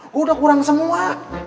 gue udah kurang semua